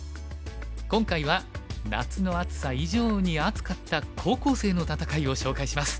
今回は夏の暑さ以上に熱かった高校生の戦いを紹介します。